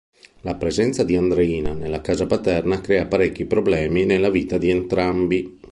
La presenza di Andreina nella casa paterna crea parecchi problemi nella vita di entrambi.